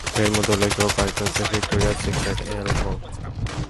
এর মধ্যে আছে উল্লেখযোগ্য কয়েকটি হচ্ছে ভিক্টোরিয়া’স সিক্রেট, "এল", "ভোগ" ইত্যাদি।